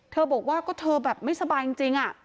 บอกว่าก็เธอแบบไม่สบายจริง